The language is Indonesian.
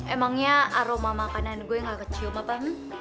emangnya aroma makanan gue yang gak kecium apa